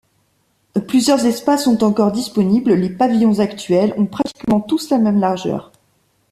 Plusieurs espaces sont encore disponibles, les pavillons actuels ont pratiquement tous la même largeur.